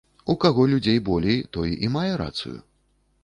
У каго людзей болей, той і мае рацыю.